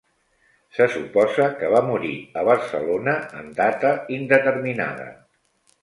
Se suposa que va morir a Barcelona en data indeterminada.